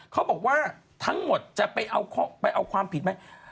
เขาบอกว่าทั้งหมดจะไปเอาไปเอาความผิดไหม